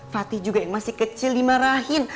fatih juga yang masih kecil dimarahin